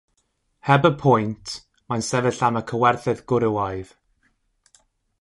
Heb y pwynt, mae'n sefyll am y cywerthydd gwrywaidd.